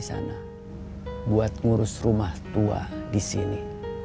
kamu bisa kesini